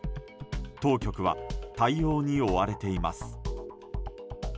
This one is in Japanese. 当局は対応に追われています。